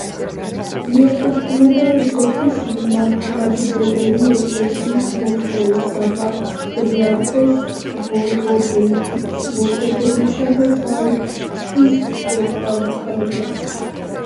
მიეკუთვნება რუსეთის მართლმადიდებელი ეკლესიის მოსკოვის საპატრიარქოს ვოლგოდონისა და სალსკის ეპარქიას.